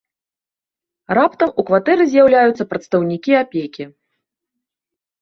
Раптам у кватэры з'яўляюцца прадстаўнікі апекі.